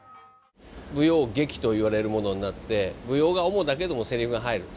舞踊劇といわれるものになって舞踊が主だけどもせりふが入る。